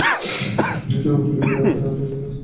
চোরের মত লুকিয়ে তো, রাতে যে কেউ আসতে পারে।